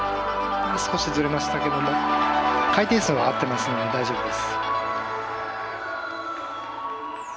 少しずれましたけれども回転数は合ってますので大丈夫です。